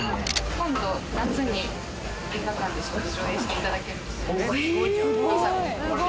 今度夏に映画館で上映していただけることに。